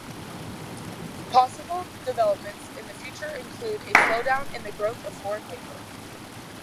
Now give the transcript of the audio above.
Possible developments in the future include a slowdown in the growth of foreign labor.